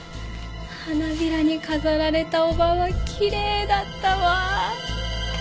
花びらに飾られた叔母はきれいだったわ。